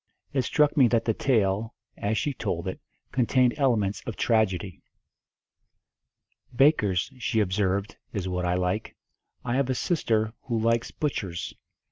It struck me that the tale, as she told it, contained elements of tragedy. "Bakers," she observed, "is what I like. I have a sister who likes butchers.